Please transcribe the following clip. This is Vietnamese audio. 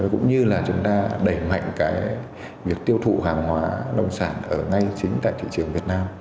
cũng như là chúng ta đẩy mạnh cái việc tiêu thụ hàng hóa nông sản ở ngay chính tại thị trường việt nam